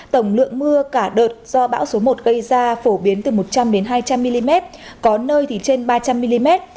tổng lượng mưa cả đợt do bão số một gây ra phổ biến từ một trăm linh hai trăm linh mm có nơi thì trên ba trăm linh mm